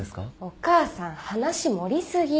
お母さん話盛り過ぎ。